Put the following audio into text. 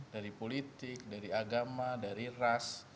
dari politik dari agama dari ras